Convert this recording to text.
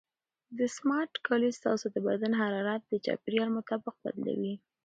دا سمارټ کالي ستاسو د بدن حرارت د چاپیریال مطابق بدلوي.